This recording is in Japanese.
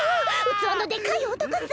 器のでかい男っス。